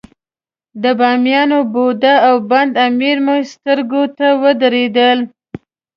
د بامیانو بودا او بند امیر مې سترګو ته ودرېدل.